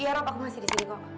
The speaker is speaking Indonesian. iya rob aku masih di sini pak